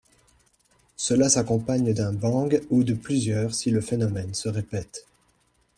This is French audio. Cela s’accompagne d’un bang ou de plusieurs si le phénomène se répète.